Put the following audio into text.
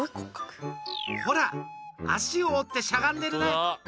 ほら、足を折ってしゃがんでるね。